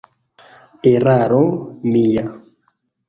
Eraro mia!